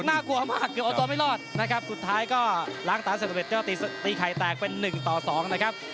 ๒น่ากลัวมากเกือบอตรอไม่รอดนะครับสุดท้ายก็ล้างตาเสียงตะเบ็ดก็ตีไข่แตกเป็น๑ต่อ๒นะครับ